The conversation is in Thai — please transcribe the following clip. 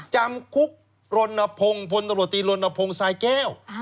จำคุกรณพงศ์พลตำรวจตีรณพงศ์สายแก้ว